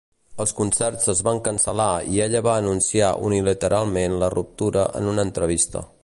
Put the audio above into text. Els concerts es van cancel·lar i ella va anunciar unilateralment la ruptura en una entrevista.